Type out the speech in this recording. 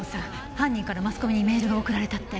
犯人からマスコミにメールが送られたって？